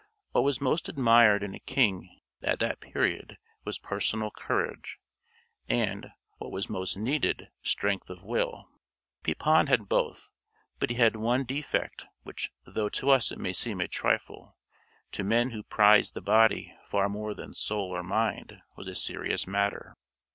What was most admired in a king at that period was personal courage, and, what was most needed, strength of will. Pepin had both; but he had one defect which, though to us it may seem a trifle, to men who prized the body far more than soul or mind, was a serious matter.